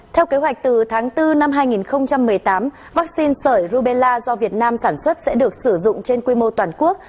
theo kế hoạch từ tháng bốn năm hai nghìn một mươi tám vaccine sởi rubella do việt nam sản xuất sẽ được sử dụng trên quy mô toàn quốc